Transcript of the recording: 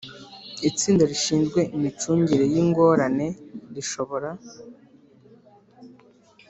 Itsinda rishinzwe imicungire y ingorane rishobora